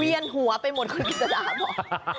เวียนหัวไปหมดคุณกฤษดาบอก